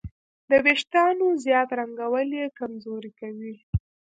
د وېښتیانو زیات رنګول یې کمزوري کوي.